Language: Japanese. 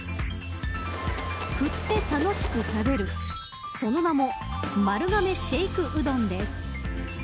振って楽しく食べるその名も丸亀シェイクうどんです。